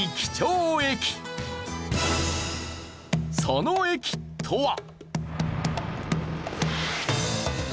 その駅とは。